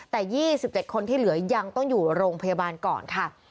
แต่๒๗คนที่เหลือยังต้องอยู่โรงพยาบาลก่อนค่ะ